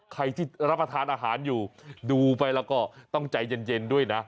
ใครที่รับประทานอาหารอยู่ดูไปแล้วก็ต้องใจเย็นด้วยนะ